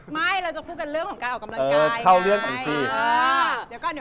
ไม่เราจะพูดกันเรื่องของการออกกำลังกายไง